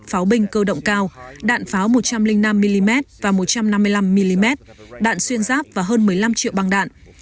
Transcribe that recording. pháo binh cơ động cao đạn pháo một trăm linh năm mm và một trăm năm mươi năm mm đạn xuyên giáp và hơn một mươi năm triệu băng đạn